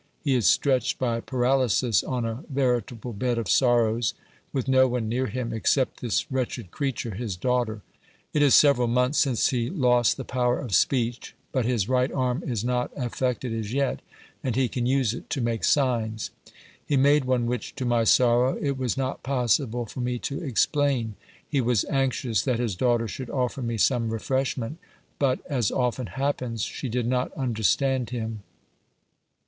He is stretched by paralysis on a veritable bed of sorrows, with no one near him except this wretched creature, his daughter. It is several months since he lost the power of speech, but his right arm is not affected as yet, and he can use it to make signs. He made one which, to my sorrow, it was not possible for me to explain ; he was anxious that his daughter should offer me some refresh ment, but, as often happens, she did not understand him.